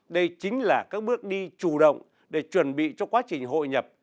đây chính là các bước đi chủ động để chuẩn bị cho quá trình hội nhập